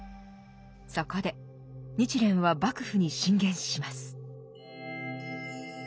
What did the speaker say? そこで日蓮は幕府に進言します。